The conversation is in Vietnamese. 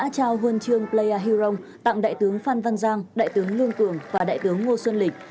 quân trương plea huron tặng đại tướng phan văn giang đại tướng lương cường và đại tướng ngô xuân lịch